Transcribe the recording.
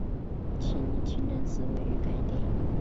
奇尼清真寺位于该地。